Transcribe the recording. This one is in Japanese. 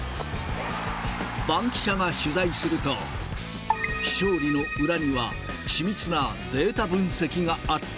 バンキシャが取材すると、勝利の裏には緻密なデータ分析があった。